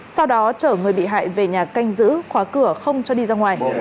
sau đó chở người bị hại về nhà canh giữ khóa cửa không cho đi ra ngoài